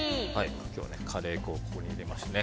今日はカレー粉をここに入れまして。